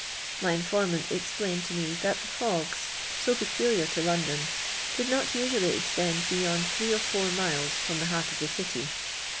My informant explained to me that the fogs, so peculiar to London, did not usually extend bevond three or four miles from the heart of the city.